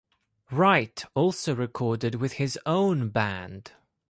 Wright also recorded with his own band.